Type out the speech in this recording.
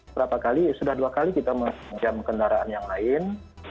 berapa kali sudah dua kali kita meminjam kendaraan yang lain